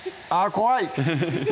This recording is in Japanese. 怖い！